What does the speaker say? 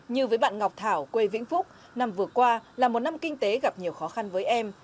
như với bạn ngọc thảo quê vĩnh phúc năm vừa qua là một năm kinh tế gặp nhiều khó khăn với em